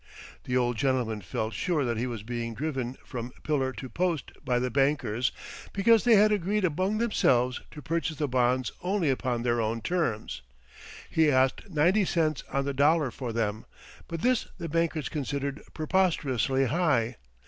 The old gentleman felt sure that he was being driven from pillar to post by the bankers because they had agreed among themselves to purchase the bonds only upon their own terms. He asked ninety cents on the dollar for them, but this the bankers considered preposterously high.